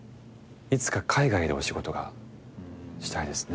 いつか海外でお仕事がしたいですね